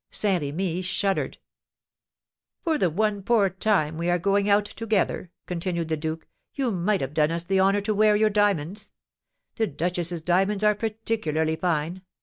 Saint Remy shuddered. "For the one poor time we are going out together," continued the duke, "you might have done us the honour to wear your diamonds. The duchess's diamonds are particularly fine.